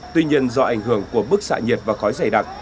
tuy nhiên do ảnh hưởng của bức xạ nhiệt và khói dày đặc